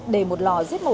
để một lò giết mổ